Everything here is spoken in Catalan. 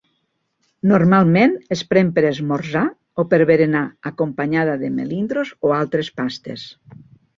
Normalment es pren per esmorzar o per berenar acompanyada de melindros o altres pastes.